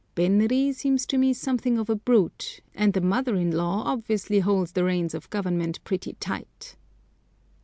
Benri seems to me something of a brute, and the mother in law obviously holds the reins of government pretty tight.